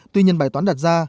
tuy nhiên bài toán đặt ra